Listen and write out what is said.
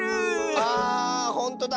あほんとだ！